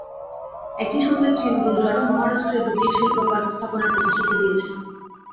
একই সঙ্গে চীন গুজরাট ও মহারাষ্ট্রে দুটি শিল্পপার্ক স্থাপনের প্রতিশ্রুতি দিয়েছে।